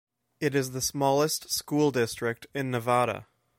It is the smallest school district in Nevada.